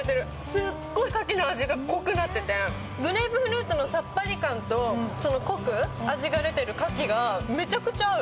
すっごくかきの味が濃くなっててグレープフルーツのさっぱり感と濃く味が出てるかきがめちゃくちゃ合う。